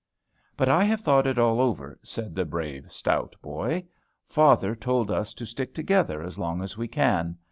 "But I have thought it all over," said the brave, stout boy. "Father told us to stick together as long as we can.